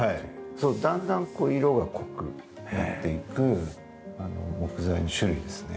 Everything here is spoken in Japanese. だんだん色が濃くなっていく木材の種類ですね。